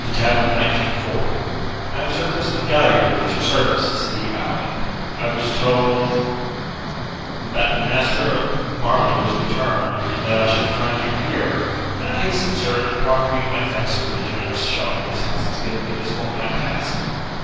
The Tavern Knight came forward. "I am Sir Crispin Galliard, at your service," said he, bowing. "I was told that the master of Marleigh was returned, and that I should find you here, and I hasten, sir, to proffer you my thanks for the generous shelter this house has given me this fortnight past."